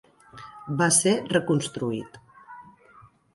Va ser reconstruït.